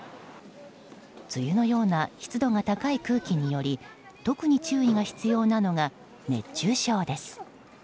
梅雨のような湿度が高い空気により特に注意が必要なのが熱中症です。